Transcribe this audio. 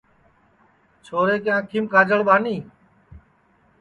چھورے کے آنکھیم کاجݪ ٻانی